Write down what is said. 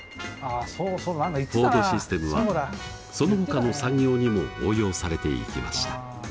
フォードシステムはそのほかの産業にも応用されていきました。